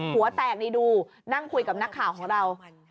หัวแตกนี่ดูนั่งคุยกับนักข่าวของเรา